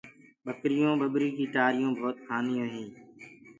ٻڪريونٚ ٻٻريٚ ڪيٚ ٽآريٚ بهوت کُشيو دي کآنديو هينٚ۔